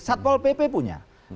satpol pp punya